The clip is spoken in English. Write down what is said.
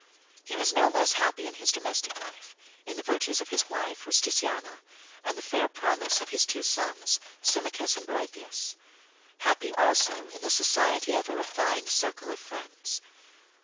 He was no less happy in his domestic life, in the virtues of his wife, Rusticiana, and the fair promise of his two sons, Symmachus and Boethius; happy also in the society of a refined circle of friends.